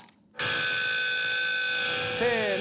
せの！